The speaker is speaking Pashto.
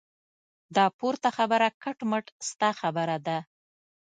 دا پورته خبره کټ مټ ستا خبره ده.